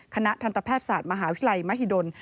คณะทรัพย์ศาสตรมาหวิทยาลัยมหิดล